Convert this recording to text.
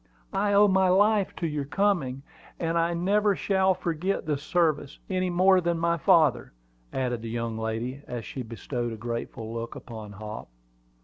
"I owe my life to your coming; and I never shall forget this service, any more than my father," added the young lady, as she bestowed a grateful look upon Hop.